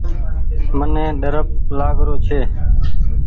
مني ڏرپ لآگ رو ڇي۔